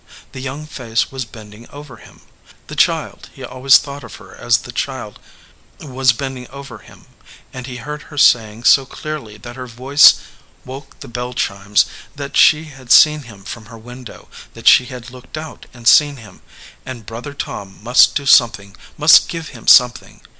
The young face was bending over him. The child he always thought of her as the child was bending over him, and he heard her saying so clearly that her voice woke like bell chimes, that she had seen him from her window, that she had looked out and seen him, and Brother Tom must do something, must give him something.